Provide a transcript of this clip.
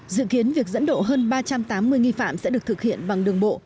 dự kiến việc dẫn độ hơn ba trăm tám mươi nghi phạm sẽ được thực hiện bằng đường bộ